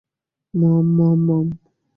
মম, মম, মম।